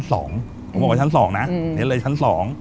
ผมบอกว่าชั้น๒นะเห็นเลยชั้น๒